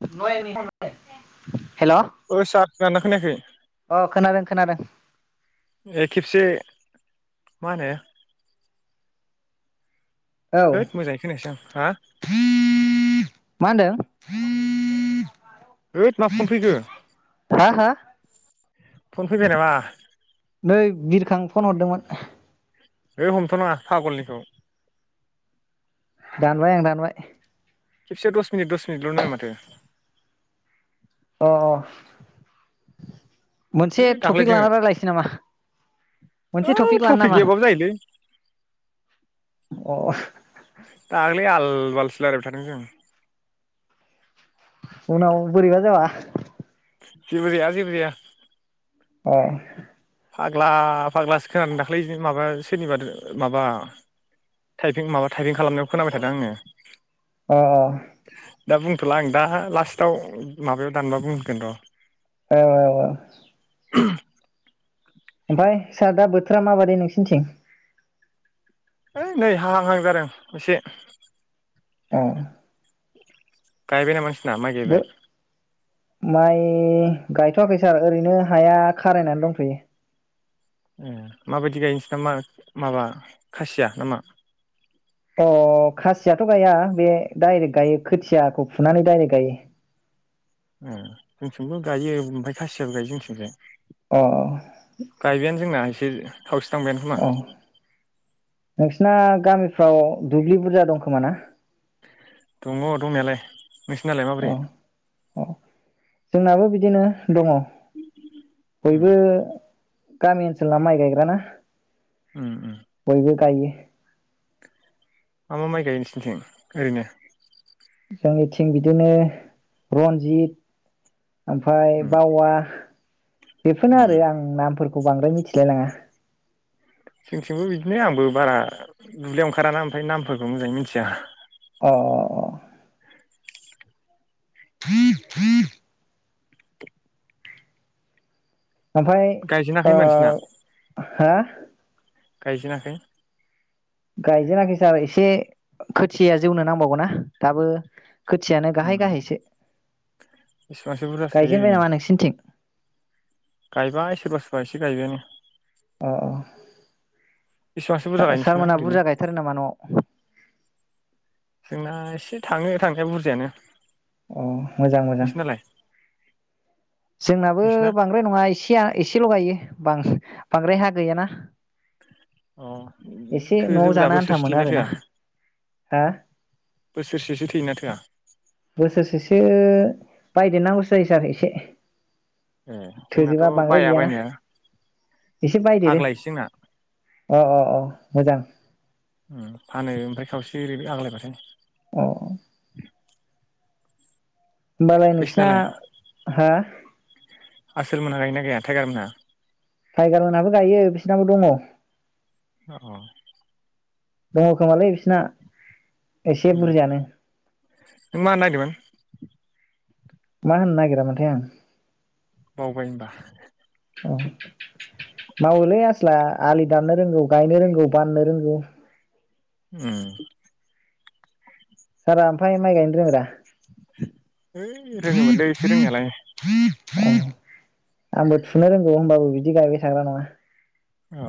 [unintelligible] हेल अ ओ सार खोनादोंना खोनायाखै खोनादों खोनादों ए खेबसे मा होनो औ होद मोजाङै खोनायासै आं हा मा होनदों होद मा फन फैखो [unintelligible] हा हा फन फैबाय नामा नै बिरखां फन हरदोंमोन हैय हमथ नङा फागलनिखौ दानबाय आं दानबाय खेबसेयाव दस मिनिटल नो माथो अ अ है मोनसे दाख्लै टपिक जोङो लाना रायलायसै नामा मोनसे ओइ टपिक लानो टफिग नामा गैयाबाबो जाहोलै अ दाख्लै आल बालसो रायज्लायबाय थादों जों उनाव बोरैबा जाबा जेबोजाया जेबोजाया अ फाग्ला फाग्लासो खोनानानै दाख्लै माबा सोरनिबा माबा थाइपिं माबा थाइपिं खालामनायाव खोनाबाय थादों आङो अ औ दा बुंथला आं दा लास्टआव माबायाव दानबा बुंगोन र औ औ ओमफफ्राय सार दा बोथोरा माबादै नोंसिनिथिं? ओइ नै हाहां हाहां जादों एसे ओ गाय बाय नामा? ना माइ गायबाय। माइ गायथवाखै सार ओरैनो हाया खारायनानै दंथयो। ओम माबायदि गायो नोंसिना मा माबा खासिया नामा? अ खासियाथ गाया बे डाइरेक्ट गायो खोथियाखौ फुनानै दडाइरेक्ट गायो। ओ जोंथिंबो गायो ओमफ्राय खासियाबो गायो जोंसिंजाय । अ [unintelligible] खोमा अ नोंसिना। गामिफ्राव दुब्लि बुरजा दं खोमा ना? दङ दंनायालाय। नोंसिनालाय माबोरै अ अ जोंनाबो बि बिदिनो दङ उम बयबो गामि ओनसोनना माय गायग्राना। उम उम बयबो गायो। [inaudible] मा मा माइ गायो नोंसोरनिथिं ओरैनो? जोंनिथिं बिदिनो रनजित ओमफाय उम बावा बेफोरनो आरो उम आं नामफोर खौ बांद्राय मिथिलाय लाङा। जोंथिंबो बिदिनो आंबो बारा दुब्लियाव ओंखाराना ओमफ्राय नामफोरखौ मोजाङै मिथिया। अ अ अ। [inaudible] आमफाय गायजेनाखै ओ होनबा नोंसिना हो गायजेनाखै? गायजेनाखै सार एसे खोथिया जौनो नांबावगौना दाबो। खोथियानो उम गाहाय गाहायसो बेसेबांसो बुरजासो गायो गायजेनबाय ओरैनो नामा नोंसिनिथिं? गायबाय सोरबा सोरबा एसे गायबायानो। अ औ बेसेबांसो बुरजा सार गायो नोंसिना सारमोनहा ओरैनो बुरजा गायथारो नामा न'आव? जोंना एसे थाङो थांनाया बुरजायानो। अ मोजां मोजां। नोंसिनालाय जोंनाबो नोंसिना बांद्राय नङा एसेया एसेल' गायो बां बांद्राय हा गैयाना। अ एसे न'आव थोजोब्रा जानो आन्था बोसोरसे मोनो थैयोना आरोना थोआ हा बोसोरसेसो थैयोना थोआ? बोसोरसेसो बायदेरनांगौसो जायोसार एसे। ए जोंनाथ' थोजोबा बांद्राय बाया गैयाना बायनाया एसे बायदेरो आग्लायोसो जोंना । अ अ अ मोजां। ओम फानो ओमफ्राय खावसे ओरैनो आग्लायबथाय। अ होमबालाय नोंसिना बैसिनालाय हो आसोल मोना गायो ना गाया टाइगार मोना? टाइगार मोनहाबो गायो बिसनाबो दङ। अ दङ खोमालै बिसिना। एसे उम नों मा बुरजायानो होननो नायदोंमोन? मा होननो नागिरा मोनथाय आं। बावबाय होनबा [unintelligible] आलि दाननो रोंगौ, गायनो रोंगौ, बाननो रोंगौ। उम। सारा आमफाय माय गायनो रोंओदा। ओइ रोङोमोनलै एसे रोंनायालाय। आंबो थुनो रोंगौ होनबाबो बिदि गायबाय थाग्रा नङा। अ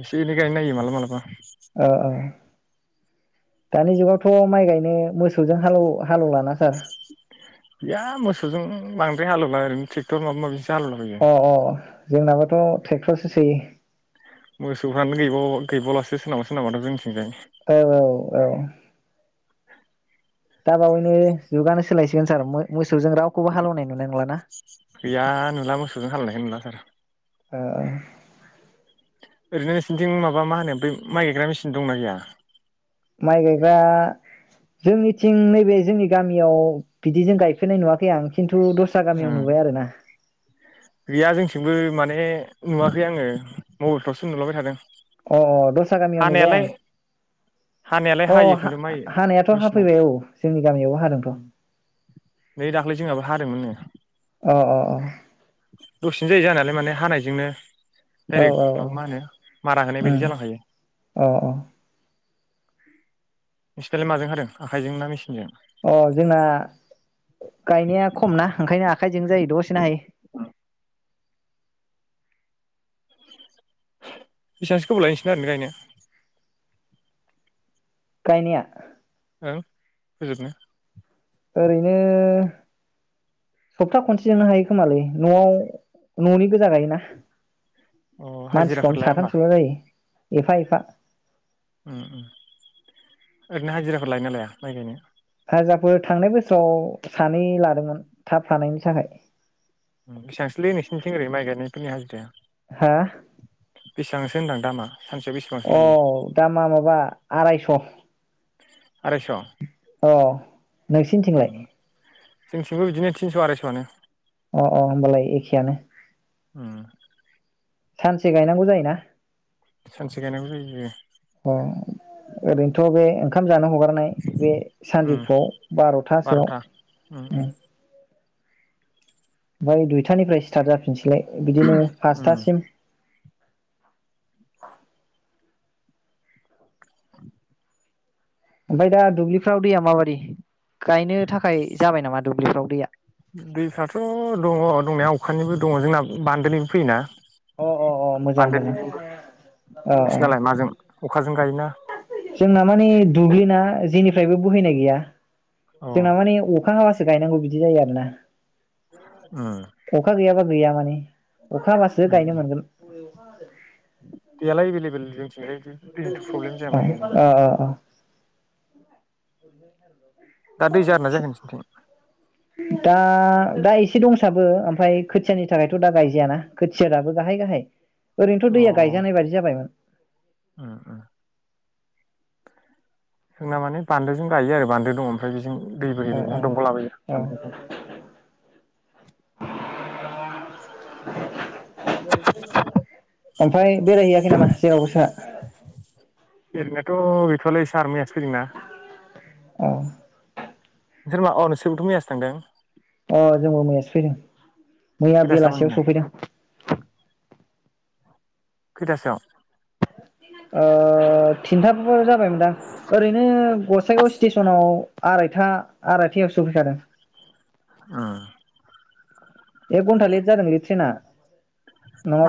एसे एनै गायनाय नायो मालाबा मालाबा। ओ ओ। दानि जुगावथ' माइ गायनो मोसौजों हालौ हालेव लाना। सार। बिया मोसौजों बांद्राय हालेवलाय ओरैनो ट्रेक्टर माबा माबि अ अ जोंनाबाथ' ट्रेक्टरसो सोयो। मोसौफ्रानो गैबाव गैबावलासो सोरनाबा सोरनाबा जोंनिथिंजाय। औ औ औ। [inaudible] दाबावैनो जुगानो सोलायसिगोन सार मोसौजों रावखौबो हालेवनाय नुनाय नंलाना। गैया नुला मोसौजों हालौनायखौनो नुला सार। [unintelligible] ओरैनो नोंसोरनिथिं माबा मा होनो बै माइ गायग्रा मेसिन दंना गैया? माइ गायग्रा जोंनिथिं नैबे जोंनि गामियाव बिदिजों गायफेरनाय नुवाखै आं खिन्थु थ' दस्रा गामियाव ओं नुबाय आरोना। गैया जोंथिंबो माने नुवाखै आङो मबाइलफ्रावसो नुलाबाय थादों। आसा गामियाव नुबाय हानायालाय आं। हानायालाय अ हायो हा खिन्थु माइ हानायाथ' मेचिना हाफैबाय औ जोंनि गामियावबो हादोंथ' नै दाख्लै जोंहाबो हादोंमोननो। अ अ अ। दसेनो जायो जानायालाय माने हानायजोंनो। औ औ डाइरेक्ट माबा मा होनो मारा होनाय बायदि जालांखायो। औ औ। नोंसिनालाय माजों हादों आखाइजों ना मेसिनजों। अ जोंना गायनाया खमना ओंखायनो आखायजों जायो दसेनो हायो। बेसेबांसो गोबाव लायो नोंसिना ओरैनो गायनो। गायनिया औ फोजोबनो। ओरैनो सप्ता खनसे जोनो हायो खोमालै न'आव न'नि गोजा गायोना। अ मानसि हाजिराफोर खम लाया होमबा? साथामसोल' जायो। एफा एफा। उम उम ओरैनो हाजिराफोर लायोना लाया माइ गायनो। हाजिफोर थांनाय बोसोराव सानै लादोंमोन थाब हानायनि थाखाय। बेसेबांसोलै नोंसोरनिथिं ओरै माइ गायनायफोरनि हाजिराया। हो। बेसेबांसो होनदां दामा। सानसेयाव बेसेबांसो अ लायो? दामा माबा आरायस'। आराइस'। अ। नोंसिनिथिंलाय जोंथिंबो बिदिनो थिनस' आरायस'आनो। अ अ होमबालाय एखेयानो। उम सानसे गायनांगौ जायोना? सानसे गायनांगौ जायो। अ ओरैनोथ' बे ओंखाम जानो हगारनाय बे उम सानजौफुआव बार'थासोआव बार'था उम उम । ओमफ्राय दुइथानिफ्राय सिटार्ट जाफिनसैलाय। बिदिनो उम फासथासिम। ओमफाय दा दुब्लिफ्राव दैैया माबादि? गायनो थाखाय जाबाय नामा दुब्लिफ्राव दैया? दैफ्राथ' दङ दंनाया अखानिबो दङ जोंना बान्दोनिबो फैयोना। अ अ अ मोजां मोजां बान्दोनिजोंबो औ औ नोंसिनालाय माजों अखाजों गायोना? जोंना माने दुब्लिना जेनिफ्रायबो बोहैनाय गैया। अ जोंना माने अखा हाबासो गायनांगौ बिदि जायो आरोना। उम अखा गैयाबा गैया माने अखा हाबासो उम गायनो मोनगोन। दैयालाय एबोल एबेल अ अ दा दै जादोंना जायाखै नोंसिनिथिं दा दा एसे दंसाबो ओमफाय खोथियानि थाखायथ' दा गायजायाना खोथिया दाबो गाहाय गाहाय ओरैनोथ' अ दैया गायजानाय बायदि जाबायमोन उम उम जोंना माने बान्दोजों गायो आरो बान्दो दङ ओमफ्राय बेजों दै औ बोहैदों ना औ दंग' औ लाबोयो [inaudible] ओमफ्राय बेरायहैयाखै नामा जेरावबो सारा ओरैनाथ' गैथ'वालै सार मैयासो फैदोंना औ नोंसोर मा अ नोंसोरबोथ' मैयासो थांदों अ जोंबो मैयासो फैदों मैया खैथासोआव बेलासियाव मोनहैनाय सफैदों खैथासोआव ओ थिनथाफोर जाबायमोन दा ओरैनो गसाइगाव स्टेसनाव आरायथा आरायथायावसो सफैखादों उम एक घन्टा लेट जादोंलै ट्रेना।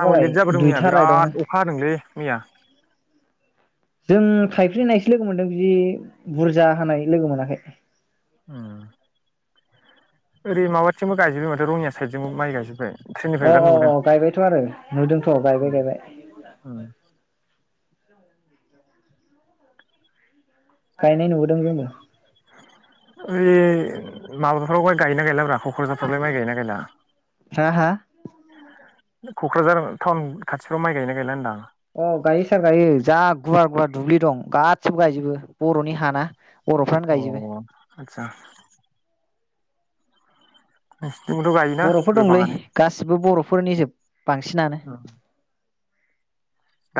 आंबो लेट जाबोदों मैया दुइथा राइदआवनो बिराद अखा हादोंलै मैया। जों थाइफ्रिनायसो लोगो मोनदों बिदि बुरजा हानाय लोगो मोनाखै। उम ओरै माबाथिंबो गायजोबाय माथो रङिया साइडजोंबो माइ गायजोब्बाय ट्रेननिफ्राय अ बिराद अ अ नुबोदों गायबायथ' आरो नुदोंथ' गायबाय उम गायबाय। उम गायनाय नुबोदों जोंबो ऐ माब ह' गायना गायलाब्रा क क'क्राझारफ्रावलाय माइ गायोना गायला हा हा क'क्राझार टाउन खाथिफ्राव माइ गायना गायला होनदां। अ गायो सार गायो जा गुवार गुवार दुब्लि दं गासिबो गायजोबो बर'नि हाना। बर'फ्रानो अ गायजोबो आतसा ओ बर'फोर दंलै गासिबो बर'फोरनि जोब बांसिनानो उम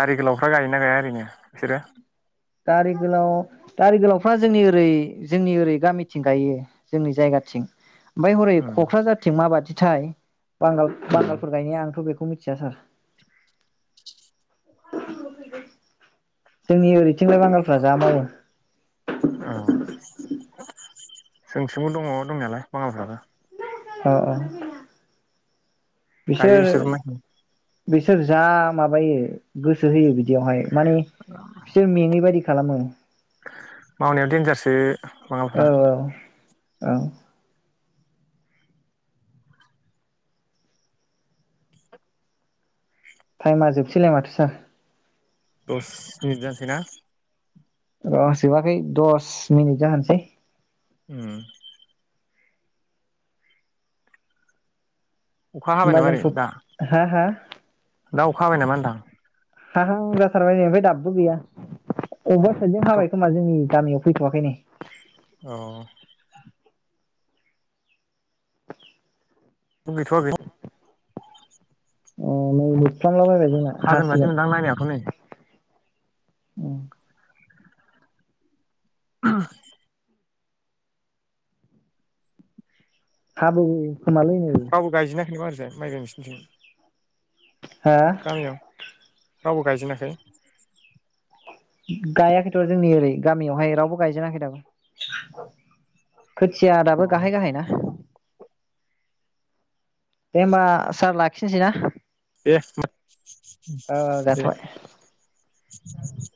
बै गोलावफ्रा गायो ना गाया ओरैनो बिसोरो दारि गोलाव दारि गोलावफ्रा जोंनि ओरै जोंनि ओरै गामिथिं गायो जोंनि जायगाथिं ओमफाय हरै उम क'क्राझारथिं माबादि थाय बांगाल उम बांगालफोर गायनाया आंथ' बेखौ मिथि आ सोर जोंनि ओरैथिंलाय बांगालफ्रा जा मावो औ जोंथिंबो दङ दंनायालाय बाङालफ्राबो अ अ गायो बिसोरनो बिसोर जा माबायो गोसो होयो बिदियावहाय माने बिसोर मेङै बायदि खालामो मावनायाव देनजारसो माबाफ्रा औ औ औ टाइमा जोबसैलाय माथो सो दस मिनिट जासैना र जोबाखै दस मिनिट जाहोनोसै उम अखा हाबाय होमबा नामा ओै दा जोंथ' हा हा दा अखा हाबाय नामा नोंथां हाहां जाथारबाय हनै दाबो गैया अबेबा साइदजों हाथ' हाबाय खोमा जोंनि गामियाव फैथ'वाखै नै औ [unintelligible] अ नै मोफ्लामला बायबाय हागोन बादि मोनदां नायनायावथ नै औ आ [inaudible] हाबोगौ रावबो गायजिनाखै बा ओरै फ्राय माइ गाइ नोंसिनिथिं हा गामियाव रावबो गायजेनाखै गायाखैथ' जोंनि ओरै गामियावहाय रावबो गायजेनाखै दाबो खोथिया अ दाबो गाहाय गाहाय ना दे होमबा सार लाखिनोसैना? दे होमबा जाथ'बाय दे [inaudible]